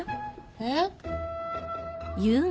えっ？